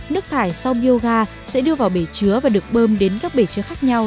nước thải sau bioga sẽ đưa vào bể chứa và được bơm đến các bể chứa khác nhau